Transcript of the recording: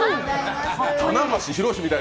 棚橋弘至みたい。